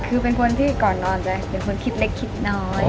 คือเป็นคนที่ก่อนนอนจะเป็นคนคิดเล็กคิดน้อย